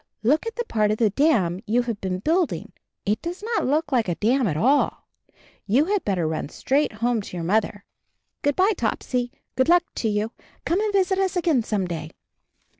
Look at the part of the dam you have been building — it does not look like a dam at all! You had better run straight home to your mother. Good by, Topsy, 24 CHARLIE good luck to you. Come and visit us again some day."